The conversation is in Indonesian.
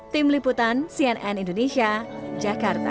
tim liputan cnn indonesia jakarta